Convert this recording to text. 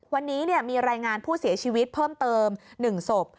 วันนี้มีรายงานผู้เสียชีวิตเพิ่มเติม๑ศพ